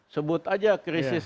sebut aja krisis